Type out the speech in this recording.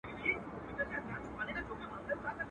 زمانه اوړي له هر کاره سره لوبي کوي.